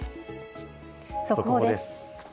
速報です。